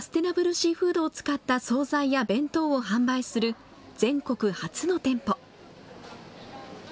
シーフードを使った総菜や弁当を販売する、全国初の店舗。